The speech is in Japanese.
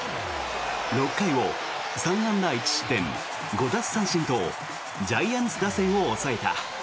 ６回を３安打１失点５奪三振とジャイアンツ打線を抑えた。